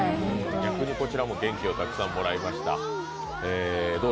逆にこちらも元気をたくさんもらいました。